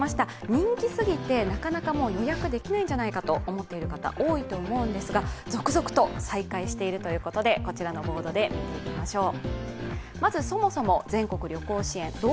人気過ぎて、予約できないんじゃないかと思っている方、多いと思うんですが、続々と再開しているということでこちらのボードで見ていきましょう。